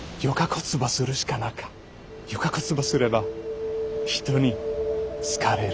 よかこつばすれば人に好かれる。